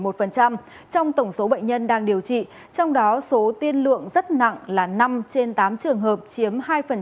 trong tổng số bệnh nhân đang điều trị trong đó số tiên lượng rất nặng là năm trên tám trường hợp chiếm hai